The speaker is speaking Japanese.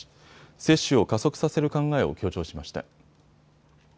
接種を加速させる考えを強調しました。